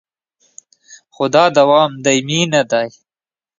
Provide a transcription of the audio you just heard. خو دا دوام دایمي نه دی